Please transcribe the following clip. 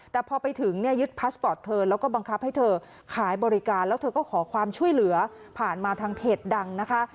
แต่พอไปถึงเนี่ยยึดพาสปอร์ตเธอแล้วก็บังคับให้เธอขายบริการแล้วเธอก็ขอความช่วยเหลือผ่านมาทางเพจดังนะคะ